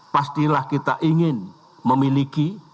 pastilah kita ingin memiliki